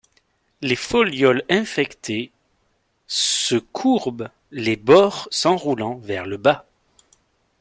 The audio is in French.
Les folioles infectées se courbent, les bords s'enroulant vers le bas.